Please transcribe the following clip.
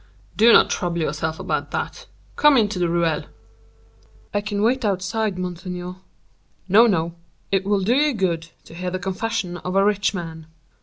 "Do not trouble yourself about that; come into the ruelle." "I can wait outside, monseigneur." "No, no, it will do you good to hear the confession of a rich man."